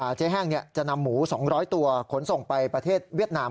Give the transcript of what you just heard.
เจ๊แห้งจะนำหมู๒๐๐ตัวขนส่งไปประเทศเวียดนาม